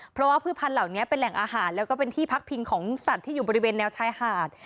เพราะว่าพืชพันธุ์เหล่านี้เป็นแหล่งอาหารแล้วก็เป็นที่พักพิงของสัตว์ที่อยู่บริเวณแนวชายหาด